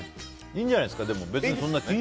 いいんじゃないですか。